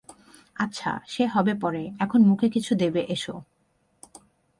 আচ্ছা, সে হবে পরে, এখন মুখে কিছু দেবে এসো।